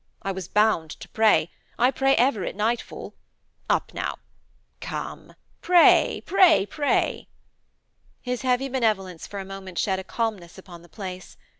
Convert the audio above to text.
I was bound to pray. I pray ever at nightfall. Up now. Come pray, pray, pray!' His heavy benevolence for a moment shed a calmness upon the place.